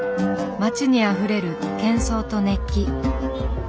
街にあふれる喧騒と熱気。